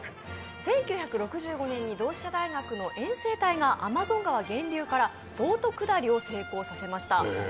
１９６５年に同志社大学の遠征隊がアマゾン川源流からボート下りを成功させました。